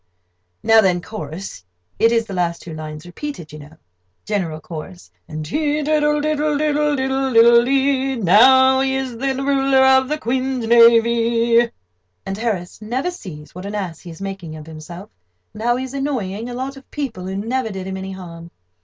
Now then, chorus—it is the last two lines repeated, you know. GENERAL CHORUS: "And he diddle diddle diddle diddle diddle diddle dee'd, Till now he is the ruler of the Queen's navee." And Harris never sees what an ass he is making of himself, and how he is annoying a lot of people who never did him any harm.